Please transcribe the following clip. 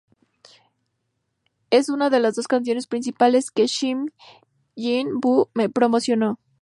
Es una de las dos canciones principales que Shim Hyun Bo promocionó.